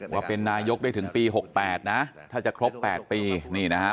ว่าเป็นนายกได้ถึงปี๖๘นะถ้าจะครบ๘ปีนี่นะฮะ